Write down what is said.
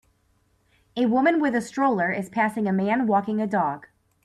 A woman with a stroller is passing a man walking a dog.